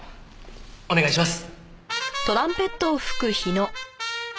お願いします！